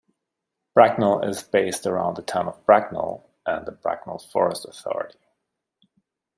Bracknell is based around the town of Bracknell and the Bracknell Forest authority.